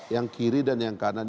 yang kiri dan yang kanan